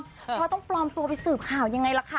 เพราะต้องปลอมตัวไปสืบข่าวยังไงล่ะค่ะ